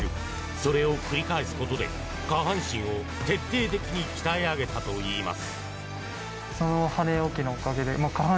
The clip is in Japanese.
それを繰り返すことで下半身を徹底的に鍛え上げたといいます。